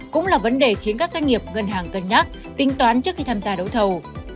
cũng là vấn đề khiến các doanh nghiệp ngân hàng cân nhắc tính toán trước khi tham gia đấu thầu